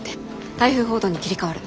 台風報道に切り替わる。